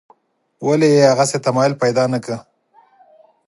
ولې یې هغسې تمایل پیدا نکړ.